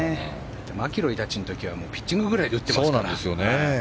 だって、マキロイたちの時はピッチングくらいで打ってますから。